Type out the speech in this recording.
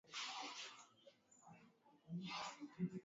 Mgeni huongea maneno mengi akija kwetu